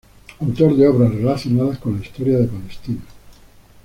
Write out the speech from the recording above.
Autor de obras relacionadas con la historia de Palestina.